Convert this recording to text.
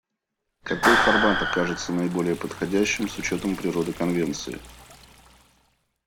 Какой формат окажется наиболее подходящим с учетом природы Конвенции?